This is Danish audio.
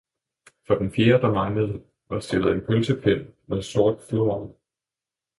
for den Fjerde, som manglede, var stillet en Pølsepind med sort Flor om.